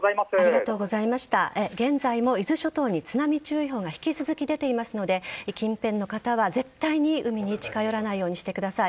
現在も伊豆諸島に津波注意報が引き続き出ていますので近辺の方は、絶対に海に近寄らないようにしてください。